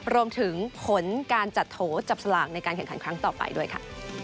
รวมถึงผลการจัดโถจับสลากในการแข่งขันครั้งต่อไปด้วยค่ะ